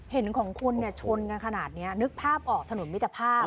เห็นของคุณเนี่ยชนกันขนาดนี้นึกภาพออกถนนมิตรภาพ